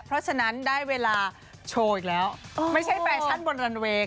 เพราะฉะนั้นได้เวลาโชว์อีกแล้วไม่ใช่แฟชั่นบนรันเวย์